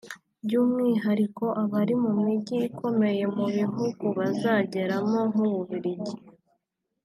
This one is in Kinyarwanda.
by’umwihariko abari mu mijyi ikomeye mu bihugu bazageramo nk’u Bubiligi